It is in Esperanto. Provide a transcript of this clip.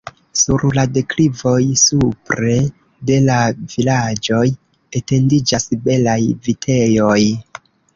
Sur la deklivoj supre de la vilaĝoj etendiĝas belaj vitejoj.